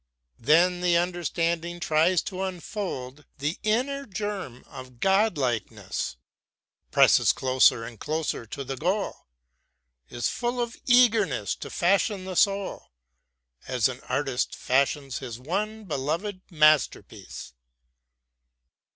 Then the understanding tries to unfold the inner germ of godlikeness, presses closer and closer to the goal, is full of eagerness to fashion the soul, as an artist fashions his one beloved masterpiece.